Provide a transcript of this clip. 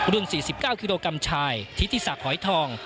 รุ่น๔๙กิโลกรัมชายทิฏิศัพท์หอยทอง